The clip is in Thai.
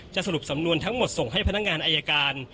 สรุปสำนวนทั้งหมดส่งให้พนักงานอายการ